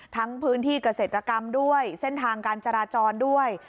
พื้นที่เกษตรกรรมด้วยเส้นทางการจราจรด้วย